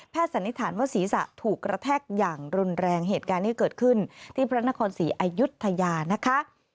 สันนิษฐานว่าศีรษะถูกกระแทกอย่างรุนแรงเหตุการณ์ที่เกิดขึ้นที่พระนครศรีอายุทยานะคะ